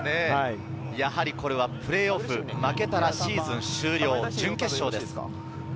やはりこれはプレーオフ負けたらシーズン終了、準決勝です。